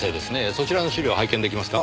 そちらの資料拝見出来ますか？